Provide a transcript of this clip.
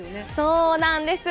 そうなんです。